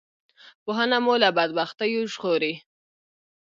پوهنه مو له بدبختیو ژغوری